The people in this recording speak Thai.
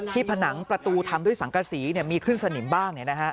ผนังประตูทำด้วยสังกษีมีขึ้นสนิมบ้าง